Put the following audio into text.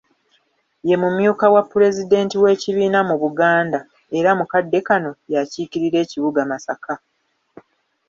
Ye mumyuka wa Pulezidenti w'ekibiina mu Buganda era mu kadde kano y'akiikirira ekibuga Masaka.